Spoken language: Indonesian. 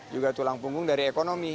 juga tulang punggung dari ekonomi